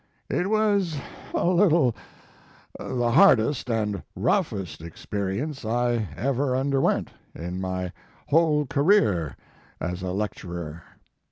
It was a little the hardest and roughest experience I ever underwent in my whole career as a lecturer.